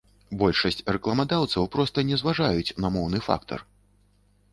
Большасць рэкламадаўцаў проста не зважаюць на моўны фактар.